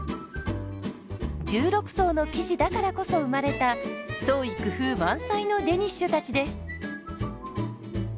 １６層の生地だからこそ生まれた創意工夫満載のデニッシュたちです。